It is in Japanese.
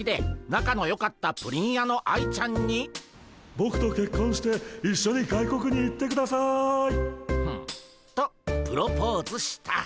ボクとけっこんして一緒に外国に行ってください！とプロポーズした。